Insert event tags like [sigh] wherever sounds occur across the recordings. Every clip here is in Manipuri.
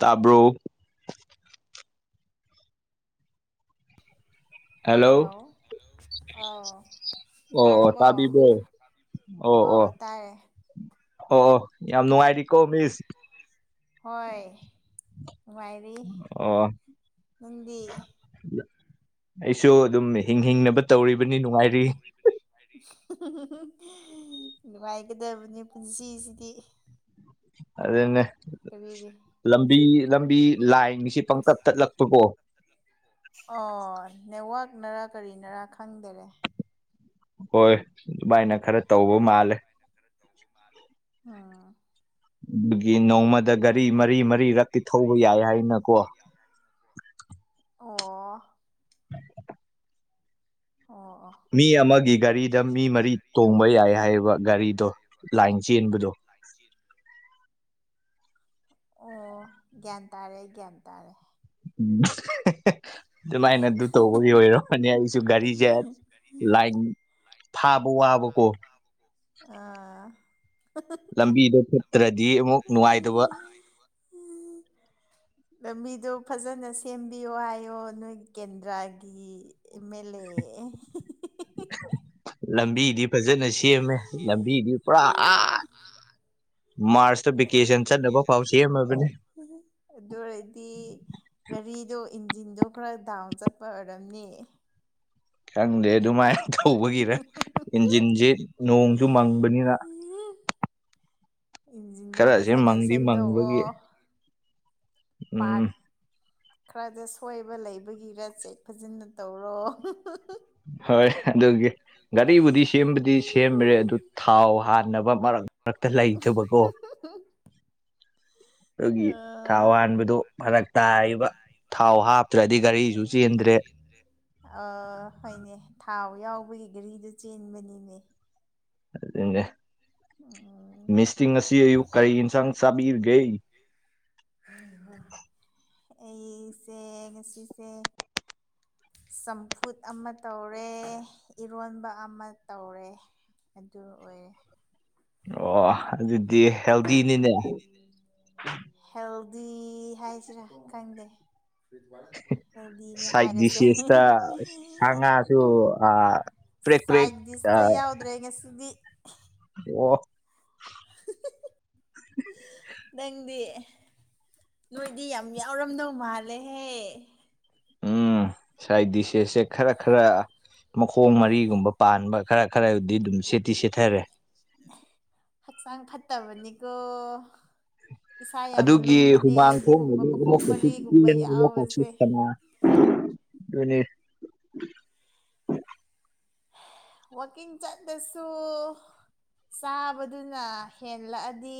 ꯇꯥꯕ꯭ꯔꯣ ꯍꯜꯂꯣ ꯑꯣ ꯑꯣ ꯑꯣ ꯇꯥꯔꯕꯣ ꯇꯥꯕꯤꯕ꯭ꯔꯣ ꯑꯣ ꯇꯥꯏꯌꯦ ꯑꯣ -ꯑꯣ ꯌꯥꯝ ꯅꯨꯡꯉꯥꯏꯔꯤ [inaudible] ꯍꯣꯏ ꯅꯨꯉꯥꯏꯔꯤ ꯑꯣ ꯅꯪꯗꯤ ꯑꯩꯁꯨ ꯑꯗꯨꯝ ꯍꯤꯡ ꯍꯤꯡꯅꯕ ꯇꯧꯔꯤꯕꯅꯤ ꯅꯨꯡꯉꯥꯏꯔꯤ ꯅꯨꯡꯉꯥꯏꯒꯗꯕꯅꯤ ꯄꯨꯟꯁꯤꯁꯤꯗꯤ ꯑꯗꯨꯅꯦ ꯀꯔꯤꯒꯤ ꯂꯝꯕꯤ ꯂꯝꯕꯤ ꯂꯥꯏꯟꯒꯥꯁꯤ ꯄꯪ ꯇꯠ ꯇꯠꯂꯛ ꯇꯨꯒꯣ ꯑꯣ ꯅꯦꯠꯋꯥꯛꯅꯔꯥ ꯀꯔꯤꯅꯔꯥ ꯈꯪꯗꯥꯔꯦ ꯍꯣꯏ ꯑꯗꯨꯃꯥꯏꯅ ꯈꯔ ꯇꯧꯕ ꯃꯥꯜꯂꯦ ꯑꯥ ꯗꯨꯒꯤ ꯅꯣꯡꯃꯗ ꯒꯥꯔꯤ ꯃꯔꯤ ꯃꯔꯤꯔꯛꯇꯤ ꯊꯧꯕ ꯌꯥꯏ ꯍꯥꯏꯅꯀꯣ ꯑꯣ [inaudible] ꯑꯣ ꯑꯣ ꯃꯤ ꯑꯃꯒꯤ ꯒꯥꯔꯤꯗ ꯃꯤ ꯃꯔꯤ ꯇꯣꯡꯕ ꯌꯥꯏ ꯍꯥꯏꯕ ꯒꯥꯔꯤꯗꯣ ꯂꯥꯏꯟ ꯆꯦꯟꯕꯗꯣ ꯂꯥꯏꯟ ꯆꯦꯟ ꯑꯣ ꯒ꯭ꯌꯥꯟ ꯇꯥꯔꯦ ꯒ꯭ꯌꯥꯟ ꯇꯥꯔꯦ ꯎꯝ ꯑꯗꯨꯃꯥꯏꯅ ꯑꯗꯨ ꯇꯧꯕꯒꯤ ꯑꯣꯏꯔꯝꯃꯅꯤ ꯑꯩꯁꯨ ꯒꯥꯔꯤꯖꯦ ꯂꯥꯏꯟ ꯐꯥꯕ ꯋꯥꯕ ꯀꯣ ꯑꯥ ꯂꯝꯕꯤꯗꯣ ꯐꯠꯇ꯭ꯔꯥꯗꯤ ꯑꯃꯨꯛ ꯅꯨꯡꯉꯥꯏꯇꯕ ꯂꯝꯕꯤꯗꯣ ꯐꯖꯅ ꯁꯦꯝꯕꯤꯌꯣ ꯍꯥꯏꯌꯣ ꯅꯣꯏ ꯀꯦꯟꯗ꯭ꯔꯥꯒꯤ ꯑꯦꯃꯦꯂꯦ ꯂꯝꯕꯤꯗꯤ ꯐꯖꯅ ꯁꯦꯝꯃꯦ ꯂꯝꯕꯤꯗꯤ ꯄꯨꯔꯥ ꯑꯥ ꯃꯥꯔꯁꯇꯥ ꯚꯦꯀꯦꯁꯟ ꯆꯠꯅꯕ ꯐꯥꯎ ꯁꯦꯝꯃꯕꯅꯦ ꯑꯗꯨ ꯑꯣꯏꯔꯗꯤ ꯒꯥꯔꯤꯗꯣ ꯏꯟꯖꯤꯟꯗꯣ ꯈꯔ ꯗꯥꯎꯟ ꯆꯠꯄ ꯑꯣꯏꯔꯝꯅꯤ ꯈꯪꯗꯦ ꯑꯗꯨꯃꯥꯏꯟ ꯇꯧꯕꯒꯤꯔꯥ ꯏꯟꯖꯤꯟꯖꯦ ꯅꯣꯡꯁꯨ ꯃꯪꯕꯅꯤꯅ ꯏꯟꯖꯤꯟꯗꯣ ꯈꯔꯁꯦ ꯐꯖꯅ ꯃꯪꯗꯤ ꯃꯪꯕꯒꯤ ꯁꯦꯝꯗꯣꯛꯑꯣ ꯎꯝ ꯈꯔꯥꯗ ꯁꯣꯏꯕ ꯂꯩꯕꯒꯤꯔꯥ ꯆꯦꯛ ꯐꯖꯟꯅ ꯇꯧꯔꯣ ꯍꯣꯏ ꯑꯗꯨꯒꯤ ꯒꯥꯔꯤꯕꯨꯗꯤ ꯁꯦꯝꯕꯗꯤ ꯁꯦꯝꯔꯦ ꯑꯗꯨ ꯊꯥꯎ ꯍꯥꯟꯅꯕ ꯃꯔꯛ ꯃꯔꯛꯇꯥ ꯂꯩꯇꯕꯀꯣ ꯍꯝ ꯑꯗꯨꯒꯤ ꯊꯥꯎ ꯍꯥꯟꯕꯗꯣ ꯐꯔꯛ ꯇꯥꯔꯤꯕ ꯊꯥꯎ ꯍꯥꯞꯇ꯭ꯔꯥꯗꯤ ꯒꯥꯔꯤꯁꯨ ꯆꯦꯟꯗ꯭ꯔꯦ ꯑꯣ ꯍꯣꯏꯅꯦ ꯊꯥꯎ ꯌꯥꯎꯕꯒꯤ ꯒꯔꯤꯗꯣ ꯆꯦꯟꯕꯅꯤꯅꯦ ꯑꯗꯨꯅꯦ ꯎꯝ ꯃꯤꯁꯇꯤ ꯉꯁꯤ ꯑꯌꯨꯛ ꯀꯔꯤ ꯏꯟꯁꯥꯡ ꯆꯥꯕꯤꯔꯤꯒꯦ ꯍꯩꯍꯥ ꯑꯩꯁꯦ ꯉꯁꯤꯁꯦ ꯆꯝꯐꯨꯠ ꯑꯃ ꯇꯧꯔꯦ ꯏꯔꯣꯟꯕ ꯑꯃ ꯇꯧꯔꯦ ꯑꯗꯨ ꯑꯣꯏꯔꯦ ꯑꯣ ꯑꯗꯨꯗꯤ ꯍꯦꯜꯗꯤꯅꯤꯅꯦ ꯍꯦꯜꯗꯤ ꯍꯥꯏꯁꯤꯔꯥ ꯈꯪꯗꯦ ꯍꯦꯜꯗꯤꯅꯦ ꯁꯥꯏꯠ ꯍꯥꯏꯔꯁꯦ ꯗꯤꯁꯦꯁꯇ ꯁꯥ ꯉꯥꯁꯨ ꯑꯥ ꯄ꯭ꯔꯦꯛ [inaudible] ꯄ꯭ꯔꯦꯛ ꯁꯥꯏꯗꯤꯁꯇꯥ ꯑꯥ ꯌꯥꯎꯗ꯭ꯔꯦ ꯉꯁꯤꯗꯤ ꯑꯣ꯫ [inaudible] ꯅꯪꯗꯤ꯫ ꯅꯣꯏꯗꯤ ꯌꯥꯝ ꯌꯥꯎꯔꯝꯗꯧ ꯃꯥꯜꯂꯦꯍꯦ꯫ ꯎꯝ ꯁꯥꯏ ꯗꯤꯁꯦꯁꯁꯦ ꯈꯔ ꯈꯔ ꯃꯈꯣꯡ ꯃꯔꯤꯒꯨꯝꯕ ꯄꯥꯟꯕ ꯈꯔ ꯈꯔꯕꯨꯗꯤ ꯑꯗꯨꯝ ꯁꯦꯠꯇꯤ ꯁꯦꯠꯊꯔꯦ꯫ ꯍꯛꯆꯥꯡ ꯐꯠꯇꯕꯅꯤꯀꯣ꯫ ꯏꯁꯥ ꯌꯥꯝ ꯑꯗꯨꯒꯤ ꯂꯨꯝꯕꯅꯦ ꯍꯨꯃꯥꯡ ꯑꯗꯨꯒꯨꯝꯕ ꯊꯣꯛꯅꯕ [inaudible] ꯃꯈꯣꯡ ꯑꯃꯨꯛꯀꯁꯨ ꯃꯔꯤꯒꯨꯝꯕ ꯆꯦꯟ ꯑꯃꯨꯛꯀꯁꯨ ꯌꯥꯎꯕꯁꯦ ꯁꯅꯥ ꯑꯗꯨꯅꯦ꯫ ꯋꯥꯛꯀꯤꯡ ꯆꯠꯂꯁꯨ ꯆꯥꯕꯗꯨꯅ ꯍꯦꯜꯂꯛꯑꯗꯤ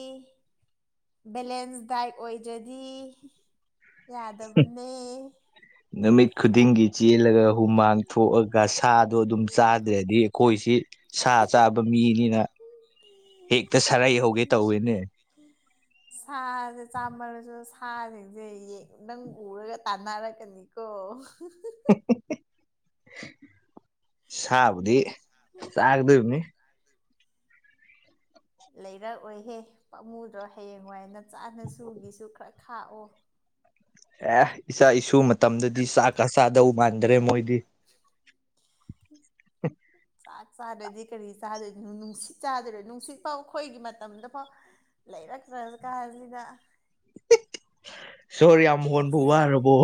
ꯕꯦꯂꯦꯟꯁ ꯗꯥꯏꯠ ꯑꯣꯏꯗ꯭ꯔꯗꯤ ꯌꯥꯗꯕꯅꯦ꯫ ꯅꯨꯃꯤꯠ ꯈꯨꯗꯤꯡꯒꯤ ꯆꯦꯜꯂꯒ ꯍꯨꯃꯥꯡ ꯊꯣꯛꯑꯒ ꯁꯥꯗꯣ ꯑꯗꯨꯝ ꯆꯥꯗ꯭ꯔꯗꯤ ꯑꯩꯈꯣꯏꯁꯤ ꯁꯥ ꯆꯥꯕ ꯃꯤꯅꯤꯅ ꯍꯦꯛꯇ ꯁꯔꯩ ꯍꯧꯒꯦ ꯇꯧꯋꯦꯅꯦ꯫ [inaudible] ꯁꯥꯖꯦ ꯆꯥꯝꯃꯜꯂꯁꯨ ꯁꯥꯁꯤꯡꯁꯦ ꯌꯦꯡ ꯅꯪ ꯎꯔꯒ ꯇꯥꯟꯅꯔꯛꯀꯅꯤ ꯀꯣ꯫ ꯁꯥꯕꯨꯗꯤ ꯆꯥꯒꯗꯣꯏꯕꯅꯤ꯫ ꯂꯩꯔꯛ ꯑꯣꯏꯍꯦ ꯄꯥꯝꯃꯨꯗ꯭ꯔꯣ ꯍꯌꯦꯡꯋꯥꯏ ꯅꯆꯥ ꯅꯁꯨꯒꯤꯁꯨ ꯈꯔ ꯈꯥꯛꯑꯣ꯫ ꯑꯦ ꯏꯆꯥ ꯏꯁꯨ ꯃꯇꯝꯗꯗꯤ ꯆꯥꯛꯀ ꯆꯥꯗꯧ ꯃꯥꯟꯗ꯭ꯔꯦ ꯃꯣꯏꯗꯤ꯫ [unintelligible] ꯆꯥꯛ ꯆꯥꯗ꯭ꯔꯗꯤ ꯀꯔꯤ ꯆꯥꯗꯣꯏꯅꯣ ꯅꯨꯡꯁꯤꯠ ꯆꯥꯗꯣꯏꯔ ꯅꯨꯡꯁꯤꯠ ꯐꯥꯎ ꯑꯩꯈꯣꯏꯒꯤ ꯃꯇꯝꯗ ꯐꯥꯎ ꯂꯩꯔꯛꯇ꯭ꯔ ꯀꯥꯟꯁꯤꯗ꯫ ꯁꯣꯔ ꯌꯥꯝ ꯍꯣꯟꯕ ꯅꯦꯛꯁꯁꯦ ꯋꯥꯔꯕꯣ꯫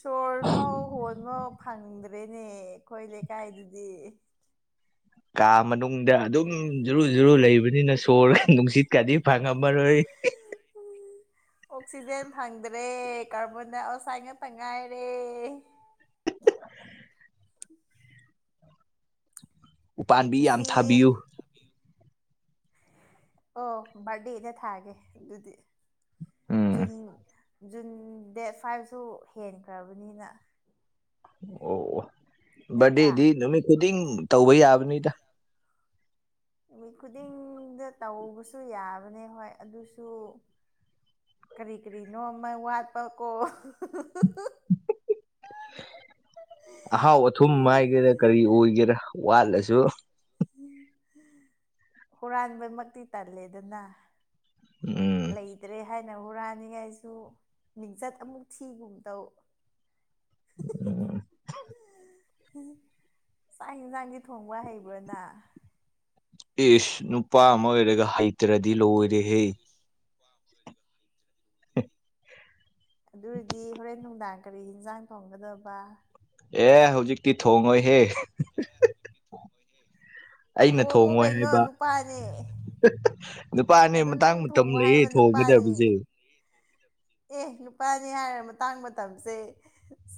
ꯁꯣꯔ ꯐꯥꯎ ꯍꯣꯟꯕ ꯐꯪꯗ꯭ꯔꯦꯅꯦ ꯑꯩꯈꯣꯏ ꯂꯩꯀꯥꯏꯗꯗꯤ꯫ ꯀꯥ ꯃꯅꯨꯡꯗ ꯑꯗꯨꯝ ꯖꯨꯔꯨ ꯖꯨꯔꯨ ꯂꯩꯕꯅꯤꯅ ꯁꯣꯔ ꯅꯨꯡꯁꯤꯠꯀꯗꯤ ꯐꯪꯉꯝꯃꯔꯣꯏ꯫ ꯑꯣꯛꯁꯤꯖꯦꯟ ꯐꯪꯗ꯭ꯔꯦ ꯀꯥꯔꯕꯣꯟ ꯗꯥꯏꯑꯣꯛꯁꯥꯏꯠ ꯉꯥꯛꯇ ꯉꯥꯏꯔꯦ꯫ [inaudible] ꯎꯄꯥꯟꯕꯤ ꯌꯥꯝ ꯉꯁꯤ ꯊꯥꯕꯤꯌꯨ ꯑꯣ ꯕꯥꯔꯠꯗꯦꯗ ꯊꯥꯒꯦ ꯑꯗꯨꯗꯤ꯫ ꯎꯝ ꯖꯨꯟ ꯖꯨꯟ ꯗꯦꯠ ꯐꯥꯏꯚꯁꯨ ꯍꯦꯟꯈ꯭ꯔꯕꯅꯤꯅ꯫ ꯑꯣ ꯑꯣ ꯅꯠꯇ꯭ꯔꯥ ꯕꯥꯔꯗꯦꯗꯤ ꯅꯨꯃꯤꯠ ꯈꯨꯗꯤꯡ ꯇꯧꯕ ꯌꯥꯕꯅꯤꯗ꯫ ꯅꯨꯃꯤꯠ ꯈꯨꯨꯗꯤꯡꯗ ꯇꯧꯕꯁꯨ ꯌꯥꯕꯅꯦ ꯍꯣꯏ ꯑꯗꯨꯁꯨ ꯀꯔꯤ ꯀꯔꯤꯅꯣ ꯑꯃ ꯋꯥꯠꯄꯀꯣ꯫ ꯑꯍꯥꯎ ꯑꯊꯨꯝ ꯍꯥꯏꯒꯦꯔꯥ ꯀꯔꯤ ꯑꯣꯏꯒꯦꯔꯥ ꯋꯥꯠꯂꯁꯨ ꯍꯨꯔꯥꯟꯕꯃꯛꯇꯤ ꯇꯜꯂꯦꯗꯅ꯫ ꯎꯝ꯫ ꯂꯩꯇ꯭ꯔꯦ ꯍꯥꯏꯅ ꯍꯨꯔꯥꯟꯅꯤꯉꯥꯏꯁꯨ ꯃꯤꯡꯆꯠ ꯑꯃꯨꯛ ꯊꯤꯒꯨꯝ ꯇꯧ꯫ ꯆꯥꯛ ꯍꯦꯟꯖꯥꯡꯗꯤ ꯊꯣꯡꯕ ꯍꯩꯕ꯭ꯔꯣ ꯅ꯫ ꯏꯁ ꯅꯨꯄꯥ ꯑꯃ ꯑꯣꯏꯔꯒ ꯍꯩꯇ꯭ꯔꯗꯤ ꯂꯣꯏꯔꯦꯍꯦ꯫ [unintelligible] ꯑꯗꯨꯔꯗꯤ ꯍꯣꯔꯦꯟ ꯅꯨꯡꯗꯥꯡ ꯀꯔꯤ ꯍꯤꯟꯖꯥꯡ ꯊꯣꯡꯒꯗꯕ꯫ ꯑꯦ ꯍꯧꯖꯤꯛꯇꯤ ꯊꯣꯡꯡꯂꯣꯏꯍꯦ ꯑꯦ ꯍꯧꯖꯤꯛꯊ ꯑꯩꯅ ꯀꯣꯡꯉꯨ ꯊꯣꯡꯉꯣꯏ ꯀꯩꯅꯣ ꯍꯥꯏꯕ ꯅꯨꯄꯥꯅꯦ ꯅꯨꯄꯥꯅꯦ ꯑꯗꯨ ꯃꯇꯥꯡ ꯅꯪ ꯃꯇꯝ ꯊꯣꯡꯉꯣ ꯂꯩꯌꯦ ꯍꯥꯏꯕ ꯅꯨꯄꯥꯅꯤ ꯊꯣꯡꯒꯗꯕꯁꯦ ꯑꯦ ꯅꯨꯄꯥꯅꯤ ꯍꯥꯏꯔ ꯃꯇꯥꯡ ꯃꯇꯝꯁꯦ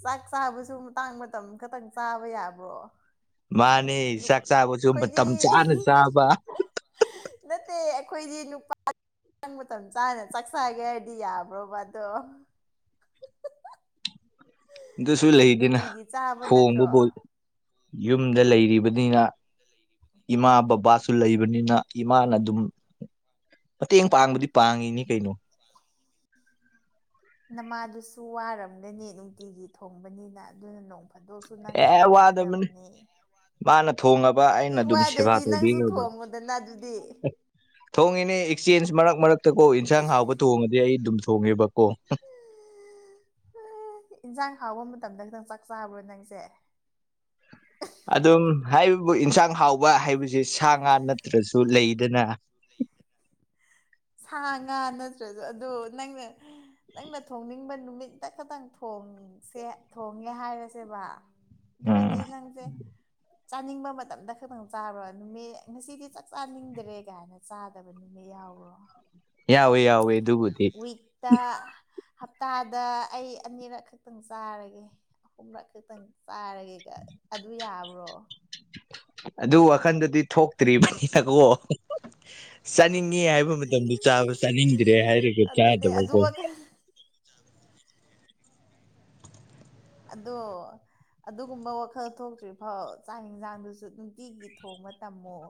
ꯆꯥꯛ ꯆꯥꯕꯁꯨ ꯃꯇꯥꯡ ꯃꯇꯝ ꯈꯛꯇꯪ ꯆꯥꯕ ꯌꯥꯕ꯭ꯔꯣ ꯃꯥꯅꯤ ꯑꯩꯈꯣꯏꯗꯤ ꯅꯠꯇꯦ ꯑꯩꯈꯣꯏꯗꯤ ꯅꯨꯄꯥ ꯪ ꯃꯇꯝ ꯆꯥꯅ ꯆꯥꯛꯆꯒꯦ ꯍꯥꯏꯔꯗꯤ ꯌꯥꯕ꯭ꯔꯣꯕ ꯑꯗꯣ ꯑꯗꯨꯁꯨ ꯂꯩꯗꯅ ꯅꯨꯡꯇꯤꯒꯤ ꯆꯥꯕ ꯅꯠꯇ꯭ꯔꯣ ꯍꯣꯡꯕꯕꯨꯣ ꯌꯨꯝꯗ ꯂꯩꯔꯤꯕꯅꯤꯅ ꯏꯃꯥ ꯕꯕꯥ ꯁꯨ ꯂꯩꯕꯅꯤꯅ ꯏꯃꯥꯅ ꯑꯗꯨꯝ ꯃꯇꯦꯡ ꯄꯥꯡꯕꯗꯤ ꯄꯥꯡꯉꯤꯅꯤ ꯀꯩꯅꯣ ꯅꯃꯥꯗꯨꯁꯨ ꯋꯥꯔꯝꯒꯅꯤ ꯅꯨꯡꯇꯤꯒꯤ ꯊꯣꯡꯕꯅꯤꯅ ꯑꯗꯨꯅ ꯅꯣꯡ ꯑꯗꯣꯛꯁꯨ ꯅꯪꯅ ꯑꯦ ꯋꯥꯗꯕꯅꯤ ꯊꯣꯡꯒꯗꯕꯅꯤ ꯃꯥꯅ ꯊꯣꯡꯉꯕ ꯑꯩꯅ ꯑꯦ ꯑꯗꯨꯝ ꯁꯦꯕꯥ ꯋꯥꯗꯗꯤ ꯅꯪꯁꯨ ꯇꯧꯕꯤꯈ꯭ꯔꯕ ꯊꯣꯡꯉꯣꯗꯅ ꯑꯗꯨꯗꯤ ꯊꯣꯡꯉꯤꯅꯦ ꯑꯦꯛꯆꯦꯟꯁ ꯃꯔꯛ ꯃꯔꯛꯇ ꯀꯣ ꯌꯦꯟꯁꯥꯡ ꯍꯥꯎꯕ ꯊꯣꯡꯉꯗꯤ ꯑꯩ ꯑꯗꯨꯝ ꯊꯣꯡꯉꯦꯕꯀꯣ ꯏꯟꯖꯥꯡ ꯍꯥꯎꯕ ꯃꯇꯝꯗ ꯈꯤꯇꯪ ꯆꯥꯛ ꯆꯥꯕ꯭ꯔꯣ ꯅꯪꯁꯦ ꯑꯗꯨꯝ ꯍꯥꯏꯔꯤꯕꯕꯨ ꯌꯦꯟꯁꯥꯡ ꯍꯥꯎꯕ ꯍꯥꯏꯕꯕꯁꯤꯦ ꯁꯥ ꯉꯥ ꯅꯠꯇ꯭ꯔꯁꯨ ꯂꯩꯗꯅ ꯁꯥ ꯉꯥ ꯅꯠꯇ꯭ꯔꯁꯨ ꯑꯗꯣ ꯅꯪꯅꯦ ꯅꯪꯅ ꯊꯣꯡꯅꯤꯡꯕ ꯅꯨꯃꯤꯠꯇ ꯈꯇꯪ ꯊꯣꯡꯁꯦ ꯊꯣꯡꯉꯦ ꯍꯥꯏꯔꯁꯦꯕ ꯎꯝ ꯗꯨꯔꯗꯗꯤ ꯅꯪꯁꯦ ꯆꯥꯅꯤꯡꯕ ꯃꯇꯝꯗ ꯈꯛꯇꯪ ꯆꯥꯔꯣ ꯅꯨꯃꯤꯠ ꯉꯁꯤꯗꯤ ꯆꯥꯛ ꯆꯥꯅꯤꯡꯗ꯭ꯔꯦ ꯀꯥꯏꯅ ꯆꯥꯗꯕ ꯅꯨꯅꯦ ꯌꯥꯎ꯭ꯔꯣ ꯌꯥꯎꯋꯦ ꯌꯥꯎ ꯋꯤꯛꯇ ꯍꯞꯇꯥꯗ ꯑꯩ ꯑꯅꯤꯔꯛ ꯈꯛꯇꯪ ꯆꯥꯔꯒꯦ ꯑꯍꯨꯝꯔꯛ ꯈꯛꯇꯪ ꯆꯥꯔꯒꯦꯒ ꯑꯗꯨ ꯌꯥꯕ꯭ꯔꯣ ꯑꯗꯨ ꯋꯥꯈꯟꯗꯗꯤ ꯊꯣꯛꯇ꯭ꯔꯤꯕꯅꯤꯅꯀꯣ ꯆꯥꯅꯤꯡꯉꯤ ꯍꯥꯏꯕ ꯃꯇꯝꯗ ꯆꯥꯕ ꯆꯥꯅꯤꯡꯗ꯭ꯔꯦ ꯍꯥꯏꯔꯒ ꯑꯗꯨꯅꯦ ꯑꯗꯨ ꯆꯥꯗꯕꯀꯣ ꯋꯥꯈꯜ ꯑꯗꯣ ꯑꯗꯨꯒꯨꯝꯕ ꯋꯥꯈꯜ ꯊꯣꯛꯇ꯭ꯔꯤꯐꯥꯎ ꯆꯥꯛ ꯌꯦꯟꯁꯥꯡꯗꯨꯁꯨ ꯅꯨꯡꯇꯤꯒꯤ ꯊꯣꯡꯕ ꯇꯝꯃꯣ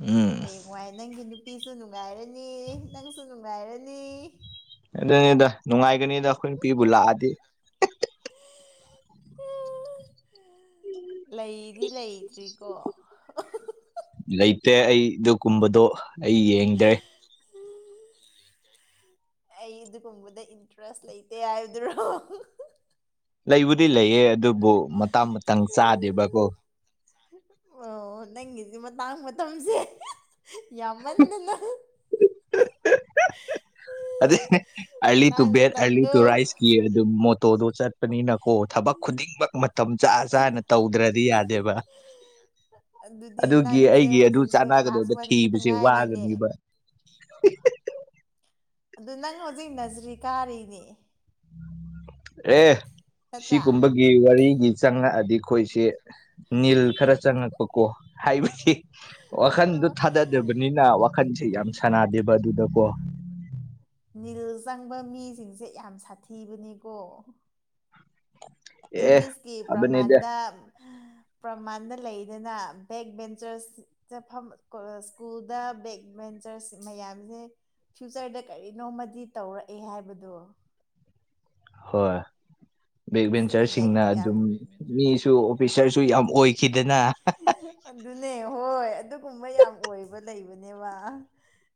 ꯎꯝ ꯍꯌꯦꯡꯋꯥꯏ ꯅꯪꯒꯤ ꯅꯨꯄꯤꯁꯨ ꯅꯨꯡꯉꯥꯏꯔꯅꯤ ꯅꯪꯁꯨ ꯅꯨꯡꯉꯥꯏꯔꯅꯤ ꯑꯗꯨꯅꯤꯗ ꯅꯨꯡꯉꯥꯏꯒꯅꯤꯗ ꯑꯩꯈꯣꯏ ꯅꯨꯄꯤꯕꯨ ꯂꯥꯛꯑꯗꯤ ꯔꯤ ꯎ ꯂꯩꯗꯤ ꯂꯩꯇ꯭ꯔꯤꯀꯣ ꯂꯩꯇꯦ ꯑꯩ ꯑꯗꯨꯒ ꯀꯨꯝꯕꯗꯣ ꯑꯩ ꯌꯦꯡꯗ꯭ꯔꯦ [inaudible] ꯑꯩ ꯑꯗꯨꯒꯨꯝꯕꯗ ꯏꯟꯇꯔꯦꯁ ꯂꯩꯇꯦ ꯍꯥꯏꯕꯗꯨꯔꯣ ꯂꯩꯕꯨꯗꯤ ꯂꯩꯌꯦ ꯑꯗꯨꯕꯨ ꯃꯇꯥꯡ ꯃꯇꯝꯥꯡ ꯆꯥꯗꯦꯕꯀꯣ ꯑꯣ ꯅꯪꯒꯤꯗꯤ ꯃꯇꯥꯡ ꯃꯇꯝꯁꯦ ꯌꯥꯝꯃꯟꯗꯅ [unintelligible] ꯑꯗ ꯑꯥꯔꯂꯤ ꯇꯨ ꯃꯇꯥꯡ ꯕꯦꯠ ꯑꯔꯂꯤ ꯃꯇꯝꯗꯣ ꯇꯨ ꯔꯥꯏꯁꯀꯤ ꯑꯗꯨ ꯃꯣꯇꯣꯗꯣ ꯆꯠ ꯆꯅꯤꯅꯀꯣ ꯊꯕꯛ ꯈꯨꯗꯤꯡꯃꯛ ꯃꯇꯝ ꯆꯥ ꯆꯥꯅ ꯇꯧꯗ꯭ꯔꯗꯤ ꯌꯥꯗꯦꯕ ꯑꯗꯨꯗꯤ ꯑꯗꯨꯒꯤ ꯅꯪꯁꯦ ꯑꯩꯒꯤ ꯑꯗꯨ ꯍꯧꯖꯤꯛꯁꯦ ꯀ꯭ꯂꯥꯁ ꯆꯥꯟꯅꯒꯗꯕꯕ ꯋꯥꯟ ꯈꯛꯇ ꯊꯤꯕꯁꯦ ꯉꯥꯏꯔꯤꯅꯦ ꯋꯥꯒꯅꯦꯕ ꯑꯗꯨ ꯅꯪ ꯍꯧꯖꯤꯛ ꯅꯖꯔꯤ ꯀꯥꯔꯤꯅꯦ ꯑꯦ ꯅꯠꯇ꯭ꯔꯥ ꯁꯤꯒꯨꯝꯕꯒꯤ ꯋꯥꯔꯤꯒꯤ ꯆꯪꯉꯛꯑꯗꯤ ꯑꯩꯈꯣꯏꯁꯤꯦ ꯅꯤꯜ ꯈꯔ ꯆꯪꯉꯛꯄ ꯀꯣ ꯍꯥꯏꯕꯗꯤ ꯋꯥꯈꯟꯗꯣ ꯑꯣ ꯊꯥꯗꯗꯕꯅꯤꯅ ꯋꯥꯈꯟꯁꯦ ꯌꯥꯝ ꯁꯥꯟꯅꯗꯦꯕ ꯑꯗꯨꯗꯀꯣ ꯅꯤꯜ ꯆꯪꯕ ꯃꯤꯁꯤꯡꯁꯦ ꯌꯥꯝ ꯁꯥꯊꯤꯕꯅꯤꯀꯣ ꯑꯦ ꯏꯪꯂꯤꯁꯀꯤ ꯐꯕꯅꯤꯗ ꯄ꯭ꯔꯃꯥꯟꯗ ꯄ꯭ꯔꯃꯥꯟꯗ ꯂꯩꯗꯅ ꯕꯦꯛ ꯚꯦꯟꯆꯔꯁ ꯆꯠꯐꯝ ꯁ꯭ꯀꯨꯜꯗ ꯕꯦꯛꯚꯦꯟꯐꯔꯁ ꯃꯌꯥꯝꯁꯦ ꯐ꯭ꯌꯨꯆꯔꯗ ꯀꯔꯤꯅꯣꯃꯗꯤ ꯇꯧꯔꯛꯑꯦ ꯍꯥꯏꯕꯗꯣ ꯍꯣꯏ ꯕꯦꯛ ꯁꯤꯒꯤ ꯚꯦꯟꯆꯔꯁꯤꯡꯅ ꯗꯥꯏꯂꯣꯛ ꯌꯥꯝ ꯑꯗꯨꯝ ꯃꯤꯁꯨ ꯑꯣꯐꯤꯁꯔꯁꯨ ꯌꯥꯝ ꯑꯣꯏꯈꯤꯗꯅ ꯑꯗꯨꯅꯦ ꯍꯣꯏ ꯑꯗꯨꯒꯨꯝꯕ ꯌꯥꯝ ꯑꯣꯏꯕ ꯂꯩꯕꯅꯦꯕ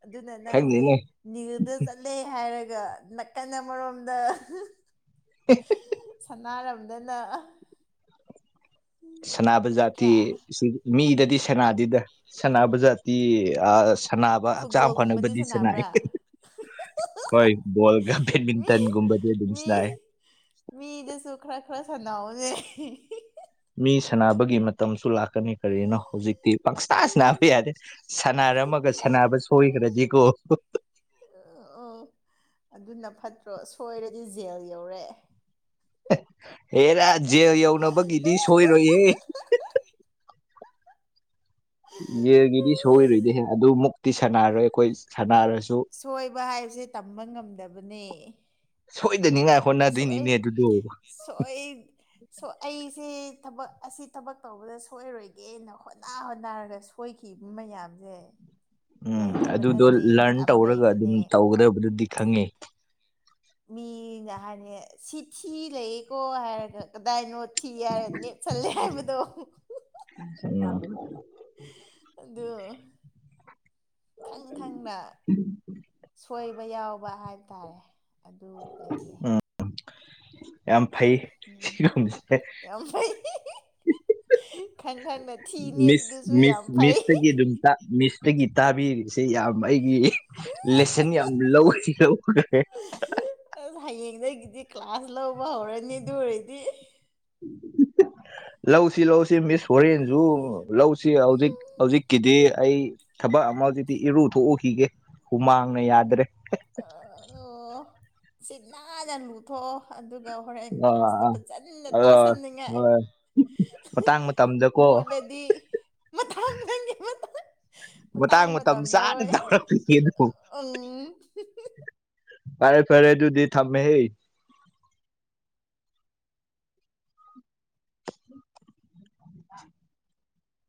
ꯑꯗꯨꯅ ꯅꯪꯁꯦ ꯈꯪꯗꯦꯅꯦ ꯅꯤꯌꯜꯗ ꯆꯠꯂꯦ ꯍꯥꯏꯔꯒ ꯅꯥꯀꯟ ꯑꯃꯔꯣꯝꯗ [unintelligible] ꯁꯥꯟꯅꯔꯝꯗꯅ ꯁꯥꯅꯕ ꯖꯥꯇꯤ ꯅꯠꯇ꯭ꯔꯥ ꯁꯤ ꯃꯤꯗꯗꯤ ꯁꯅꯥꯗꯦꯗ ꯁꯥꯅꯕ ꯖꯥꯇꯤ ꯑꯥ ꯁꯥꯟꯅꯕ ꯍꯛꯆꯥꯡ ꯐꯨꯠꯕꯣꯜꯒꯨꯝꯕꯗꯤ ꯐꯅꯕꯗꯤ ꯁꯥꯟꯅꯥꯏ ꯁꯥꯟꯅꯕ꯭ꯔꯥ ꯍꯣꯏ ꯕꯣꯜꯒ ꯕꯦꯗꯃꯤꯟꯇꯟꯒꯨꯝꯕꯗꯤ ꯑꯗꯨꯝ ꯁꯥꯅꯥꯏ ꯃꯤꯗꯨꯁꯨ ꯈꯔ ꯈꯔ ꯁꯥꯟꯅꯧꯅꯦ ꯃꯤ ꯁꯥꯟꯅꯕꯒꯤ ꯃꯇꯝꯁꯨ ꯂꯥꯛꯀꯅꯤ ꯀꯔꯤꯅꯣ ꯍꯧꯖꯤꯛ ꯄꯪꯁꯥ ꯁꯥꯅꯥꯕ ꯌꯥꯗꯦ ꯁꯅꯔꯝꯃꯒ ꯁꯥꯟꯅꯕ ꯁꯣꯏꯈ꯭ꯔꯗꯤꯀꯣ ꯎꯝ ꯑꯗꯨꯅ ꯐꯠꯇ꯭ꯔꯣ ꯁꯣꯏꯔꯗꯤ ꯖꯦꯜ ꯌꯧꯔꯦ ꯍꯦꯔꯥ ꯖꯦꯜ ꯌꯧꯅꯕꯒꯤꯗꯤ ꯁꯣꯏꯔꯣꯏꯍꯦ ꯌꯦꯟꯒꯤꯗꯤ ꯁꯣꯏꯔꯣꯏꯅꯦꯍꯦ ꯑꯗꯨ ꯃꯨꯛꯇꯤ ꯁꯥꯟꯅꯔꯣꯏ ꯑꯩꯈꯣꯏ ꯁꯥꯟꯅꯔꯁꯨ ꯁꯣꯏꯕ ꯍꯥꯏꯕꯁꯦ ꯇꯝꯕ ꯉꯝꯗꯕꯅꯦ ꯁꯣꯏꯗꯅꯤꯡꯉꯥꯏ ꯁꯣꯛꯑꯦ ꯍꯣꯠꯅꯗꯣꯏꯅꯤꯅꯦ ꯑꯗꯨꯗꯣ ꯁꯣꯏ ꯁꯣ ꯑꯩꯁꯦ ꯊꯕꯛ ꯑꯁꯤ ꯊꯕꯛ ꯇꯧꯕꯗ ꯁꯣꯏꯔꯣꯏꯒꯦꯅ ꯍꯣꯠꯅ ꯍꯣꯠꯅꯔꯒꯁꯨ ꯁꯣꯏꯈꯤꯕ ꯃꯌꯥꯝꯁꯦ ꯎꯝ ꯂꯩꯇꯕ ꯑꯗꯨꯗꯣ ꯅꯠꯇꯦ ꯂꯔꯟ ꯌꯥꯝ ꯇꯧꯔꯒ ꯑꯗꯨꯝ ꯂꯩꯕꯅꯦ ꯇꯧꯒꯗꯕꯗꯨꯗꯤ ꯈꯪꯉꯦ ꯃꯤꯅ ꯍꯥꯏꯅꯤ ꯁꯤꯊꯤ ꯂꯩꯌꯦꯀꯣ ꯍꯥꯏꯔꯒ ꯀꯗꯥꯏꯅꯣ ꯊꯤ ꯍꯥꯏꯔ ꯅꯦꯠꯁꯜꯂꯦ ꯍꯥꯏꯕꯗꯣ [inaudible] ꯑꯗꯨ ꯈꯪ ꯈꯪꯅ ꯁꯣꯏꯕ ꯌꯥꯎꯕ ꯍꯥꯏꯕ ꯇꯥꯔꯦ ꯑꯗꯨ ꯂꯩꯌꯦ ꯌꯥꯝ ꯐꯩ ꯎꯝ ꯁꯤꯒꯨꯝꯕꯁꯦ ꯌꯥꯝ ꯐꯩ ꯈꯪ ꯈꯪꯅ ꯊꯤ ꯃꯤꯁ ꯅꯦꯠꯄꯗꯨꯁꯨ ꯌꯥꯝ ꯃꯤꯁ ꯐꯩ ꯃꯤꯁꯇꯒꯤ ꯑꯗꯨꯝ ꯃꯤꯁꯇꯒꯤ ꯇꯥꯕꯤꯔꯤꯁꯤ ꯌꯥꯝ ꯑꯩꯒꯤ ꯂꯦꯁꯟ ꯌꯥꯝ ꯂꯧ ꯂꯧ ꯑꯁ ꯍꯌꯦꯡꯗꯒꯤꯗꯤ ꯀ꯭ꯂꯥꯁ ꯂꯧꯕ ꯍꯧꯔꯅꯤ ꯑꯗꯨ ꯑꯣꯏꯔꯗꯤ [unintelligible] ꯂꯧꯁꯤ ꯂꯧꯁꯤ ꯃꯤꯁ ꯍꯣꯔꯦꯟꯖꯨ ꯂꯧꯁꯤ ꯍꯧꯖꯤꯛ ꯍꯧꯖꯤꯛꯀꯤꯗꯤ ꯑꯩ ꯊꯕꯛ ꯑꯃ ꯍꯧꯖꯤꯛꯇꯤ ꯏꯔꯨ ꯊꯣꯛꯎꯈꯤꯒꯦ ꯍꯨꯃꯥꯡꯅ ꯌꯥꯗ꯭ꯔꯦ ꯑꯥ ꯁꯤꯠꯅꯥꯟꯅ ꯂꯨ ꯊꯣꯛ ꯑꯗꯨꯒ ꯍꯣꯔꯦꯟ ꯀ꯭ꯂꯥꯁꯇ ꯑꯥ ꯐꯥꯖꯟꯅ ꯑꯥ ꯇꯥꯁꯟꯅꯤꯡꯉꯥꯏ ꯍꯣꯏ ꯃꯇꯥꯡ ꯃꯇꯝꯗꯀꯣ ꯃꯣꯠꯂꯗꯤ ꯃꯊꯥꯡ ꯅꯪꯒꯤ ꯃꯊꯪ ꯃꯇꯥꯡ ꯃꯇꯝ ꯆꯥꯅ ꯇꯧꯔꯛꯄꯤ ꯑꯗꯨ ꯑꯪ ꯐꯔꯦ ꯐꯔꯦ ꯑꯗꯨꯨꯗꯤ ꯊꯝꯃꯦ ꯍꯦ